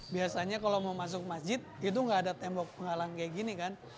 biasanya kalau mau masuk masjid itu gak ada tembok penghalang kayak gini kan